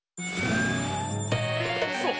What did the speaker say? そう。